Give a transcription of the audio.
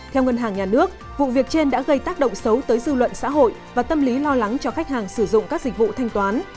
theo ngân hàng nhà nước vụ việc trên đã gây tác động xấu tới dư luận xã hội và tâm lý lo lắng cho khách hàng sử dụng các dịch vụ thanh toán